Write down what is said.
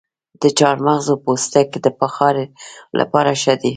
د چارمغز پوستکي د بخارۍ لپاره ښه دي؟